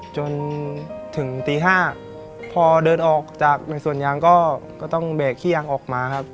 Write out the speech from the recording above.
จนถึงตี๕พอเดินออกจากในสวนยางก็ต้องแบกขี้ยางออกมาครับ